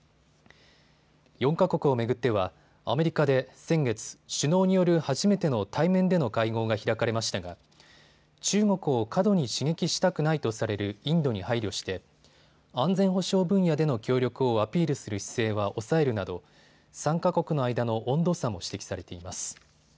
４か国を巡ってはアメリカで先月、首脳による初めての対面での会合が開かれましたが中国を過度に刺激したくないとされるインドに配慮して安全保障分野での協力をアピールする姿勢は抑えるなど参加国の間の温度差も指摘されています。